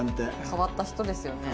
変わった人ですよね。